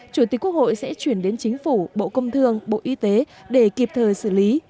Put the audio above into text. chủ tịch quốc hội sẽ chuyển đến chính phủ bộ công thương bộ y tế để kịp thời xử lý